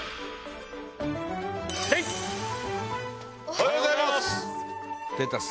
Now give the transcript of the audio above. おはようございます。